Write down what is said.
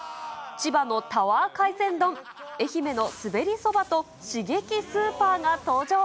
千葉のタワー海鮮丼、愛媛の滑りそばと刺激スーパーが登場。